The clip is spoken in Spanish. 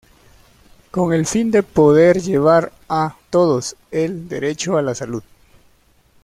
Con el fin de poder llevar a todos el derecho a la salud.